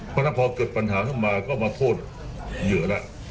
เพราะถ้าพอเกิดปัญหาขึ้นมาก็มาโทษเหยื่อละ